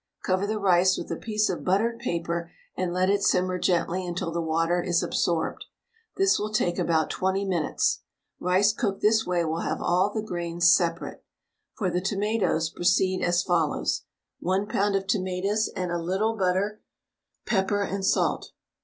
Cover the rice with a piece of buttered paper and let it simmer gently until the water is absorbed. This will take about 20 minutes. Rice cooked this way will have all the grains separate. For the tomatoes proceed as follows: 1 lb. of tomatoes and a little butter, pepper, and salt.